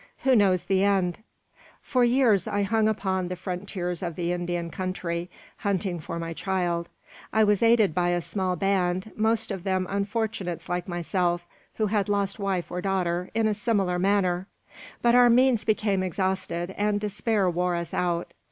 Who knows the end? "For years I hung upon the frontiers of the Indian country, hunting for my child. I was aided by a small band, most of them unfortunates like myself, who had lost wife or daughter in a similar manner. But our means became exhausted, and despair wore us out.